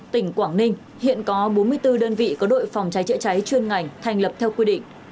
tỉnh quảng ninh hiện có bốn mươi bốn đơn vị có đội phòng trái trịa trái chuyên ngành thành lập theo quy định